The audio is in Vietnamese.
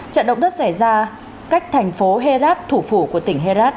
trận động đất xảy ra cách thành phố herat thủ phủ của tỉnh herat